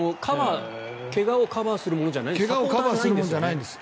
怪我をカバーするものじゃないんですね。